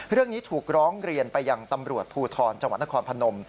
เรื่องนี้ถูกร้องเรียนไปยังตำรวจภูทรจังหวัดนครพนม